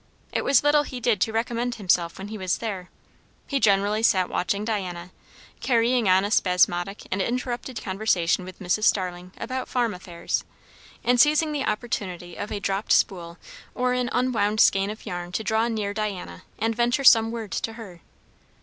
It was little he did to recommend himself when he was there; he generally sat watching Diana, carrying on a spasmodic and interrupted conversation with Mrs. Starling about farm affairs, and seizing the opportunity of a dropped spool or an unwound skein of yarn to draw near Diana and venture some word to her.